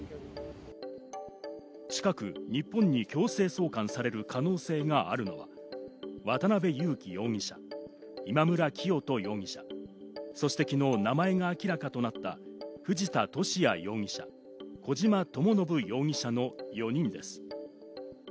近く日本に強制送還される可能性があるのは、渡辺優樹容疑者、今村磨人容疑者、そして昨日、名前が明らかとなった藤田聖也容疑者、小島智信容疑者の４人です。